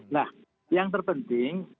nah yang terpenting